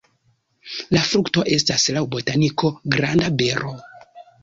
La frukto estas laŭ botaniko granda bero.